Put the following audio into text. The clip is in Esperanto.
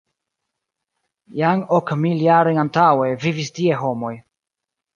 Jam ok mil jarojn antaŭe vivis tie homoj.